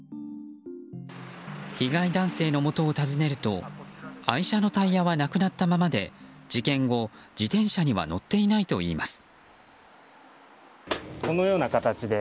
被害男性のもとを訪ねると愛車のタイヤはなくなったままで事件後、自転車には乗っていないといいます。